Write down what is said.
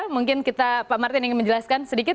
mungkin kita pak martin ingin menjelaskan sedikit